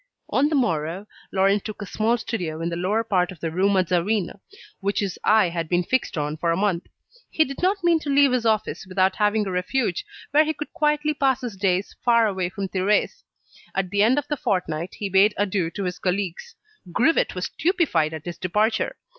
On the morrow, Laurent took a small studio in the lower part of the Rue Mazarine, which his eye had been fixed on for a month. He did not mean to leave his office without having a refuge where he could quietly pass his days far away from Thérèse. At the end of the fortnight, he bade adieu to his colleagues. Grivet was stupefied at his departure.